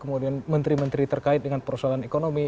kemudian menteri menteri terkait dengan persoalan ekonomi